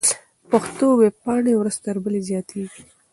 پښتو ويبپاڼې ورځ تر بلې زياتېږي.